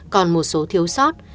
còn một số thiếu sót